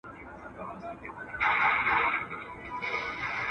هغه په خپلو لاسو کې د کار د برکت نښې لرلې.